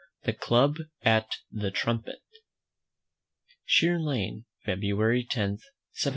THE CLUB AT "THE TRUMPET." Sheer Lane, February 10, 1710.